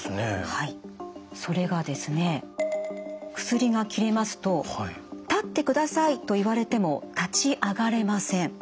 薬が切れますと立ってくださいと言われても立ち上がれません。